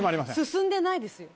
「進んでないですよ」